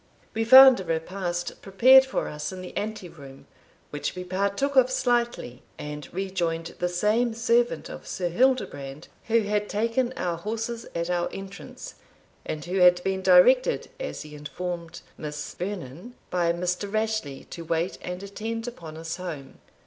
We found a repast prepared for us in the ante room, which we partook of slightly, and rejoined the same servant of Sir Hildebrand who had taken our horses at our entrance, and who had been directed, as he informed Miss Vernon, by Mr. Rashleigh, to wait and attend upon us home.